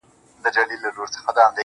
موږه كرلي دي اشنا دشاعر پښو ته زړونه,